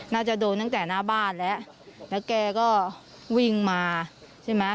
น่าจะโดนตั้งแต่หน้าบ้านแล้วแล้วแกก็วิ่งมาใช่ไหม